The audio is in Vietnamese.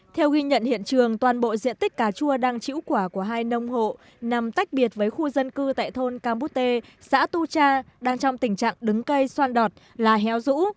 theo ghi nhận hiện trường toàn bộ diện tích cà chua đang chĩu quả của hai nông hộ nằm tách biệt với khu dân cư tại thôn campute xã tu cha đang trong tình trạng đứng cây xoan đọt là héo rũ